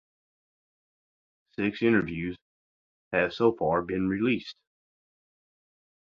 Six interviews have so far been released.